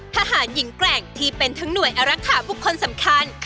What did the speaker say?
ทหารหญิงแกร่งที่เป็นทั้งหน่วยอรักษาบุคคลสำคัญ